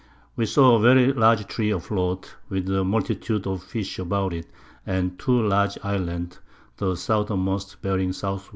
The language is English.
We saw a very large Tree a float, with a Multitude of Fish about it; and 2 large Islands, the Southermost bearing S. W.